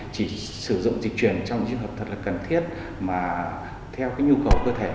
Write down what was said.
chỉ sử dụng dịch truyền trong những trường hợp thật là cần thiết mà theo nhu cầu cơ thể